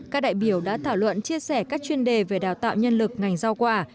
các đại biểu đã thảo luận chia sẻ các chuyên đề về đào tạo nhân lực ngành rau quả